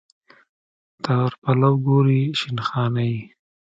تر پلو ګوري شین خالۍ.